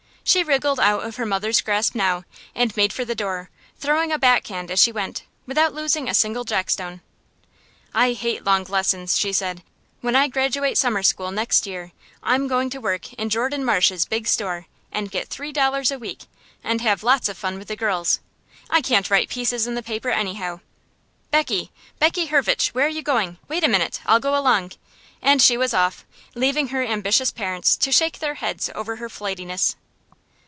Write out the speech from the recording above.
She wriggled out of her mother's grasp now, and made for the door, throwing a "back hand" as she went, without losing a single jackstone. "I hate long lessons," she said. "When I graduate grammar school next year I'm going to work in Jordan Marsh's big store, and get three dollars a week, and have lots of fun with the girls. I can't write pieces in the paper, anyhow. Beckie! Beckie Hurvich! Where you going? Wait a minute, I'll go along." And she was off, leaving her ambitious parents to shake their heads over her flightiness.